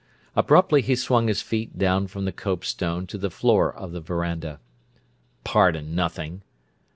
Abruptly he swung his feet down from the copestone to the floor of the veranda. "Pardon nothing!"